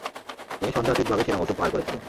তিনি সন্দেহাতীতভাবে সেরা মৌসুম পার করেছিলেন।